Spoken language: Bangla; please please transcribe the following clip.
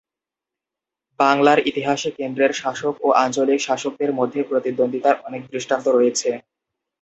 বাংলার ইতিহাসে কেন্দ্রের শাসক ও আঞ্চলিক শাসকদের মধ্যে প্রতিদ্বন্দ্বিতার অনেক দৃষ্টান্ত রয়েছে।